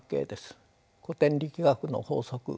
古典力学の法則